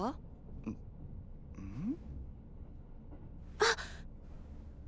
あっ！